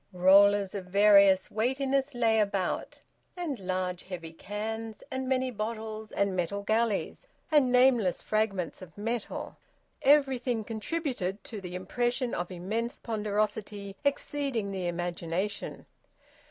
Rollers of various weightiness lay about, and large heavy cans, and many bottles, and metal galleys, and nameless fragments of metal. Everything contributed to the impression of immense ponderosity exceeding the imagination.